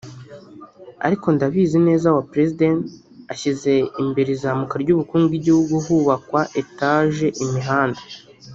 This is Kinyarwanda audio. ariko ndabizi neza our president ashyize limbere izamuka ry'ubukungu bw'igihugu hubakwa etages imihanda